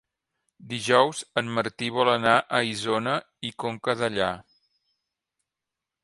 Dijous en Martí vol anar a Isona i Conca Dellà.